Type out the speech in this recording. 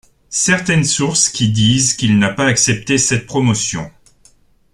Certaines sources qui disent qu'il n'a pas accepté cette promotion.